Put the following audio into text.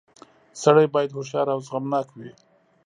• سړی باید هوښیار او زغمناک وي.